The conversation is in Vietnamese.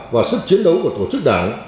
và sức chiến đấu của tổ chức đảng